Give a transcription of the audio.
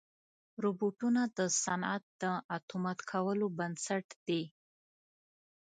روبوټونه د صنعت د اتومات کولو بنسټ دي.